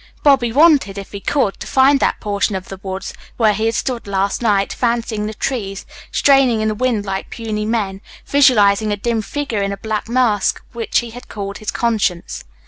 Bobby wanted, if he could, to find that portion of the woods where he had stood last night, fancying the trees straining in the wind like puny men, visualizing a dim figure in a black mask which he had called his conscience.